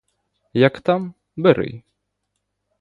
Як там — бери!